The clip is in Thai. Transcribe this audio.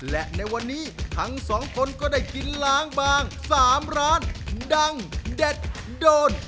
และในวันนี้ทั้งสองคนก็ได้กินล้างบาง๓ร้านดังเด็ดโดน